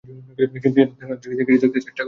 যেন তীক্ষ্ণ দৃষ্টিতে কিছু দেখতে চেষ্টা করছেন।